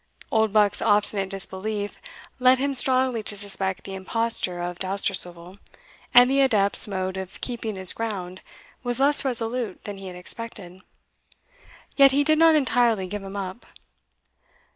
Oldbuck's obstinate disbelief led him strongly to suspect the imposture of Dousterswivel, and the adept's mode of keeping his ground was less resolute than he had expected. Yet he did not entirely give him up.